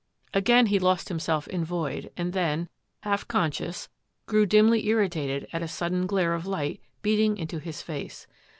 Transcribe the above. Again he lost himself in void and then, half conscious, grew dimly irritated at a sudden glare of light beating into his face.